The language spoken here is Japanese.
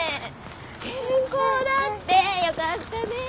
健康だって。よかったね。